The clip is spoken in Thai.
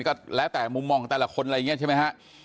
ก็แล้วแต่มุมมองแต่ละคนอะไรอย่างนี้ใช่ไหมฮะ